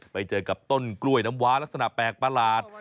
ไปเจอกับต้นกล้วยน้ำว้าลักษณะแปลกประหลาด